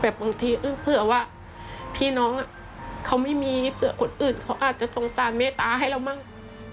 บางทีอึกเผื่อว่าพี่น้องเขาไม่มีเผื่อคนอื่นเขาอาจจะสงสารเมตตาให้เรามั่ง